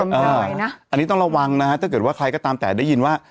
อันนี้ต้องระวังนะฮะถ้าเกิดว่าใครก็ตามแต่ได้ยินว่า